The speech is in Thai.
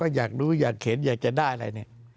ก็อยากดูอยากเข็นอยากจะได้อะไร